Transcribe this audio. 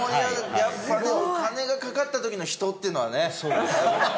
やっぱねお金が懸かった時の人っていうのはね。